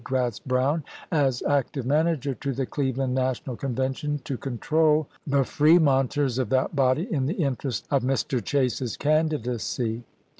Gratz Brown as active manager, to the Cleveland National Convention to control the Fremonters of that body in the interest to ma^i, May 27 of Mr. Chase's candidacy.